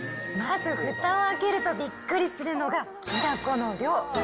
まずふたを開けるとびっくりするのが、きなこの量。